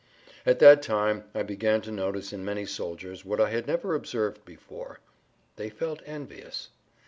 At that time I began to notice in many soldiers what I had never observed before—they felt envious.